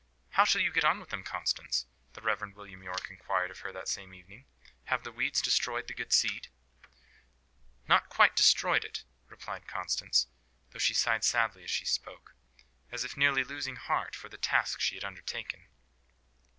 "How shall you get on with them, Constance?" the Rev. William Yorke inquired of her that same evening. "Have the weeds destroyed the good seed?" "Not quite destroyed it," replied Constance, though she sighed sadly as she spoke, as if nearly losing heart for the task she had undertaken.